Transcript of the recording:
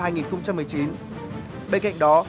bên cạnh đó